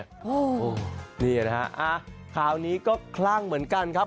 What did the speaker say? โอ้โหนี่นะฮะคราวนี้ก็คลั่งเหมือนกันครับ